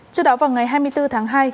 trước đó vào ngày hai mươi bốn tháng hai